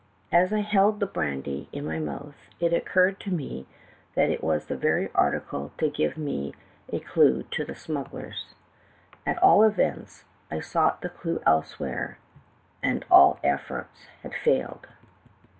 "As I held the brandy in my mouth, it occurred to me that it was the very article to give me a clue to the smugglers. At all events, I had sought the clue elsewhere, and all efforts had failed.